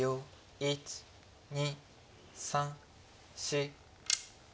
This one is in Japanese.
１２３４５。